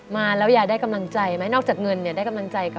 มาแล้วยายได้กำลังใจไหมนอกจากเงินเนี่ยได้กำลังใจเขา